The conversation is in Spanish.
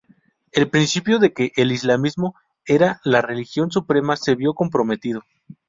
El principio de que el islamismo era la religión suprema se vio comprometido.